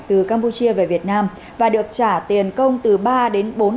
từ campuchia về việt nam và được trả tiền công từ ba đối tượng